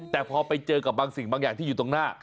แต่พอไปเจอกับบางสิ่งบางอย่างที่อยู่ตรงหน้า